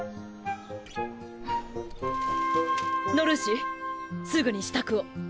ドルーシすぐに支度を！